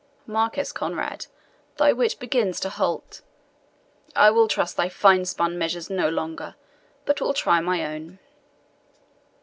Marquis Conrade, thy wit begins to halt; I will trust thy finespun measures no longer, but will try my own.